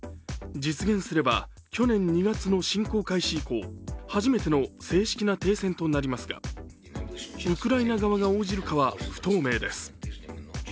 実現すれば、去年２月の侵攻開始以降、初めての正式な停戦となりますが、ウクライナ側が応じるかは不透明です。